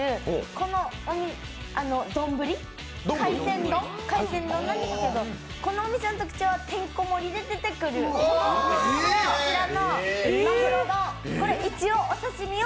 この丼、海鮮丼なんですけど、このお店の特徴はてんこ盛りで出てくるこちらのマグロ丼、これ一応、お刺身を